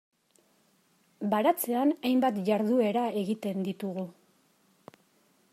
Baratzean hainbat jarduera egiten ditugu.